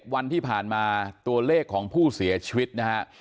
วันที่ผ่านมาตัวเลขของผู้เสียชีวิตนะฮะ